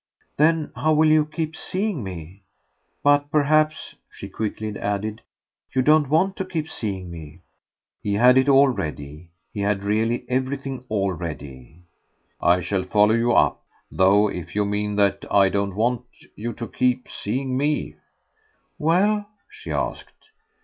"Then how will you keep seeing me? But perhaps," she quickly added, "you won't want to keep seeing me." He had it all ready; he had really everything all ready. "I shall follow you up; though if you mean that I don't want you to keep seeing ME " "Well?" she asked.